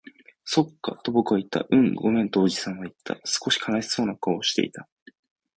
そっか、と僕は言った。うん、ごめん、とおじさんは言った。少し悲しそうな顔をしていた。